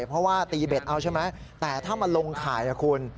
เพราะว่าตีเบ็ดเอาใช่ไหมแต่ถ้ามาลงข่ายนะคุณ